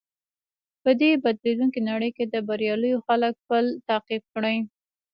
په دې بدليدونکې نړۍ کې د برياليو خلکو پل تعقيب کړئ.